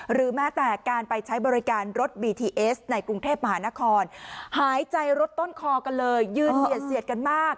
หรือแม้แต่การไปใช้บริการรถบีทีเอสในกรุงเทพมหานครหายใจรถต้นคอกันเลยยืนเหยียดเสียดกันมาก